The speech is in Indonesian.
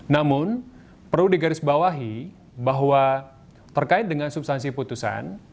namun perlu digarisbawahi bahwa terkait dengan substansi putusan